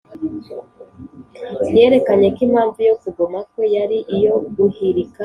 Yerekanye ko impamvu yo kugoma kwe yari iyo guhirika Ingoma y’Imana,